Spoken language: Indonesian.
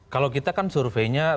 kalau kita kan surveinya